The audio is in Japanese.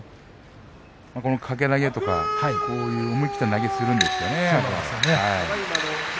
掛け投げとかこういう思い切った投げをするんですよね。